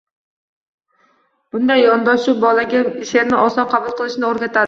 Bunday yondoshuv bolaga sheʼrni oson qabul qilishni o‘rgatadi.